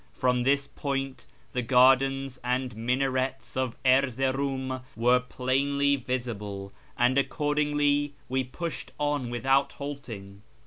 From this point the gardens and minarets of Erzeroum were plainly visible, and accordingly we pushed on without halting.